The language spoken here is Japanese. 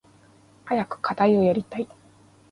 早く課題をやりたい。